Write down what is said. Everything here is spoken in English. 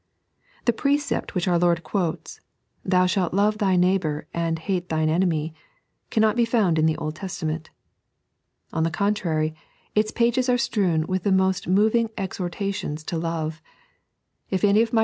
The precept which our Lord quotes :" Thou shalt love thy neighbour and hate thine enemy," cannot be found in the Old Testament. On the contrary, its pages are strewn with the most moving exhortations to Love. If any of my 3.n.iized by Google Gold akd Bboss.